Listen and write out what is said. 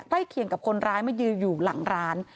เคียงกับคนร้ายมายืนอยู่หลังร้าน